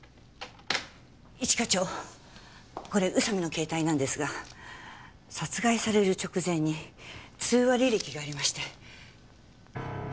一課長これ宇佐美の携帯なんですが殺害される直前に通話履歴がありまして。